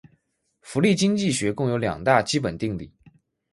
福利经济学共有两大基本定理。